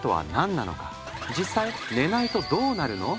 実際寝ないとどうなるの？